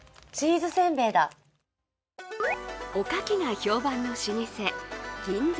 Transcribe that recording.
おかきが評判の老舗銀座